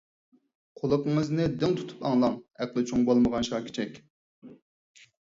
قۇلىقىڭىزنى دىڭ تۇتۇپ ئاڭلاڭ ئەقلى چوڭ بولمىغان شاكىچىك!